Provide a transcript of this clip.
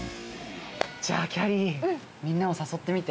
じゃあきゃりーみんなをさそってみて。